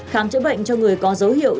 khám chữa bệnh cho người có dấu hiệu